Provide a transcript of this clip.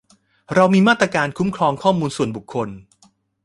เรามีมาตราการคุ้มครองข้อมูลส่วนบุคคล